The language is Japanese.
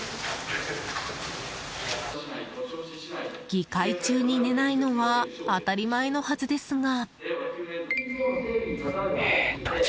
議会中に寝ないのは当たり前のはずですが。